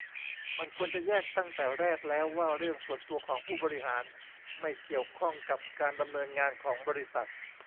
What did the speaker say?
มันควรจะแยกตั้งแต่แรกแล้ว ว่าเรื่องส่วนตัวของผู้บริหารไม่เกี่ยวข้องกับการดำเนินงานของบริษัท